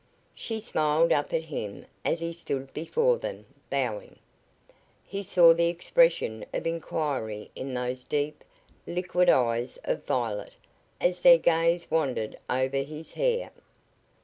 She smiled up at him as he stood before them, bowing. He saw the expression of inquiry in those deep, liquid eyes of violet as their gaze wandered over his hair.